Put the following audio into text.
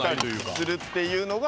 するっていうのが。